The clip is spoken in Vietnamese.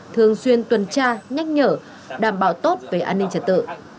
thường xuyên tuần tra nhắc nhở đảm bảo tốt về an ninh trật tự